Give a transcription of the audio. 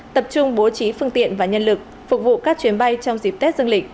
tập trung bố trí phương tiện và nhân lực phục vụ các chuyến bay trong dịp tết dương lịch